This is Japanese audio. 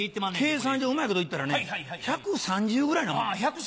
計算上うまいこと行ったらね１３０ぐらいになる。